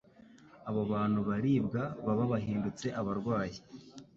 abo bantu baribwa baba bahindutse abarwayi.